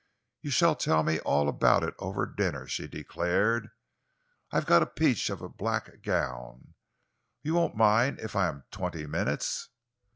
"You shall tell me all about it over dinner," she declared. "I've got a peach of a black gown you won't mind if I am twenty minutes?"